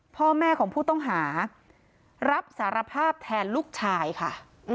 พ่อแม่ของผู้ต้องหารับสารภาพแทนลูกชายค่ะ